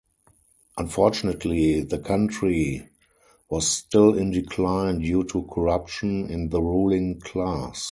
Unfortunately, the country was still in decline due to corruption in the ruling class.